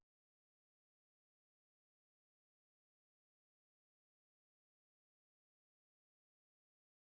โปรดติดตามต่อไป